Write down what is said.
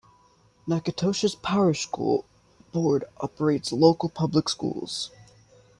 Natchitoches Parish School Board operates local public schools.